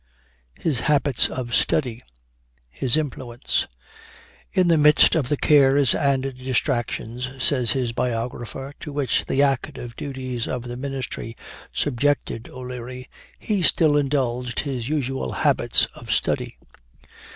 HIS HABITS OF STUDY HIS INFLUENCE. "In the midst of the cares and distractions," says his biographer, "to which the active duties of the ministry subjected O'Leary, he still indulged his usual habits of study.